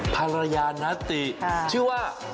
ภรรยานาติชื่อว่า